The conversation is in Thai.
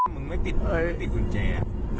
มึงไม่ติดกุญแจ